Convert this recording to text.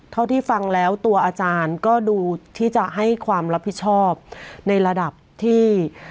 เท่าที่ฟังแล้วตัวอาจารย์ก็ดูที่จะให้ความรับผิดชอบในระดับที่